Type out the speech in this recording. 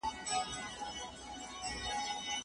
انلاين زده کړه زده کوونکي د خپلواکۍ مهارتونو کار کاوه.